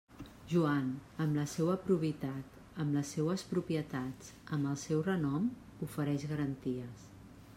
Joan, amb la seua probitat, amb les seues propietats, amb el seu renom, ofereix garanties.